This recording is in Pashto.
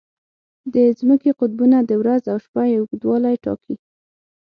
د ځمکې قطبونه د ورځ او شپه اوږدوالی ټاکي.